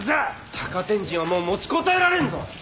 高天神はもう持ちこたえられんぞ！